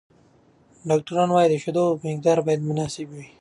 ډاکټران وايي، د شیدو مقدار باید مناسب وي.